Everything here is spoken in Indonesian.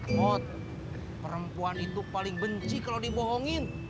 mot perempuan itu paling benci kalau dibohongin